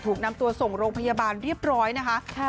ถูกนำตัวส่งโรงพยาบาลเรียบร้อยนะคะ